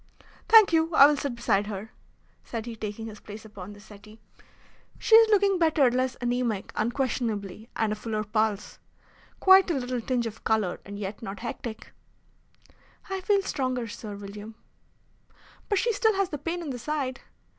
"Thank you, I will sit beside her," said he, taking his place upon the settee. "She is looking better, less anaemic unquestionably, and a fuller pulse. Quite a little tinge of colour, and yet not hectic." "I feel stronger, Sir William." "But she still has the pain in the side."